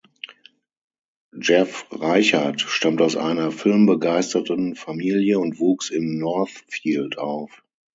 Jeff Reichert stammt aus einer filmbegeisterterten Familie und wuchs in Northfield auf.